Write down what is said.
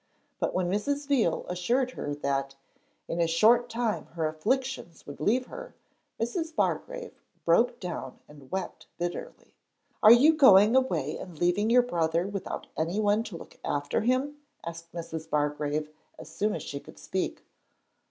But when Mrs. Veal assured her that 'in a short time her afflictions would leave her,' Mrs. Bargrave broke down and wept bitterly. 'Are you going away and leaving your brother without anyone to look after him?' asked Mrs. Bargrave as soon as she could speak.